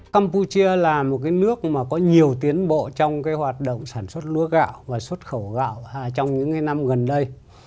campuchia là một nước mà có nhiều tiến bộ trong cái hoạt động sản xuất lúa gạo và xuất khẩu gạo trong những năm gần đây